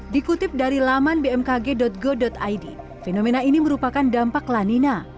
dikutip dari laman bmkg go id fenomena ini merupakan dampak lanina